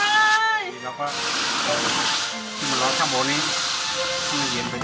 ลีบร้อนครบบนี้